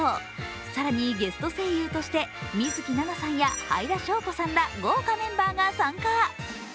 更に、ゲスト声優として水樹奈々さんやはいだしょうこさんら豪華メンバーが参加。